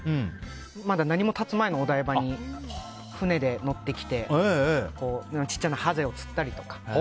まだ何も建ってないお台場で船で乗ってきて小さなハゼを釣ったりとか。